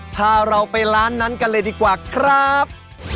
พาเราไปร้านนั้นกันเลยดีกว่าครับ